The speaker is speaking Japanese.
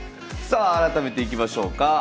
さあ改めていきましょうか。